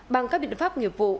bằng các biện pháp nghiệp vụ